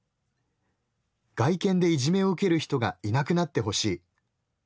「外見でいじめを受ける人がいなくなって欲しい。